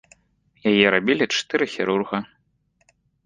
Яе рабілі чатыры хірурга.